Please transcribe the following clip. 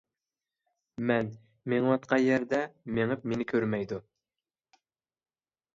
مەن مېڭىۋاتقان يەردە مېڭىپ مېنى كۆرمەيدۇ.